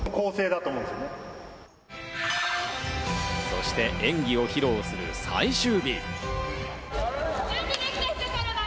そして演技を披露する最終日。